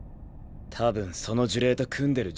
たぶんその呪霊と組んでる